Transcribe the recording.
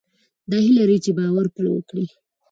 دا هيله لرئ چې باور پرې وکړئ.